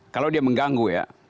kalau dia mengganggu ya